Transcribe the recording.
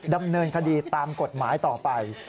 ดำเนินคดีตามกฎหมายต่อไป